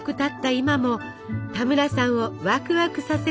今も田村さんをワクワクさせてくれます。